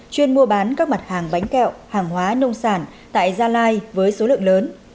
chuyên mua bán các mặt hàng bánh kẹo hàng hóa nông sản tại gia lai với số lượng lớn